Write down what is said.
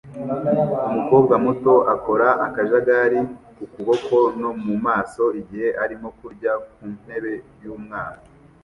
Umukobwa muto akora akajagari ku kuboko no mu maso igihe arimo kurya ku ntebe y'umwana